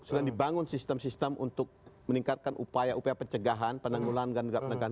sudah dibangun sistem sistem untuk meningkatkan upaya upaya pencegahan penanggulan pendagangan